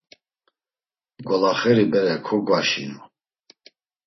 Golaxeri bere kogvanaşinu.